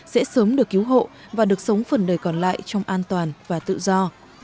sẽ sớm được cứu hộ và được sống phần đời còn lại trong an toàn và tự do